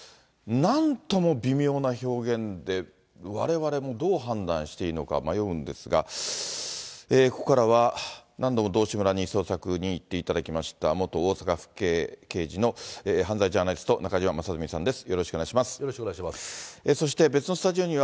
なんとも微妙な表現で、われわれもどう判断していいのか迷うんですが、ここからは何度も道志村に捜索に行っていただきました、元大阪府警刑事の犯罪ジャーナリスト、中島正純さんです。